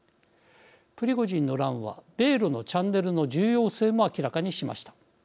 プリゴジンの乱は米ロのチャンネルの重要性も明らかにしました。